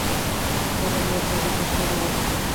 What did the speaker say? আজ আমি একটা বিশেষ কাজে ব্যস্ত!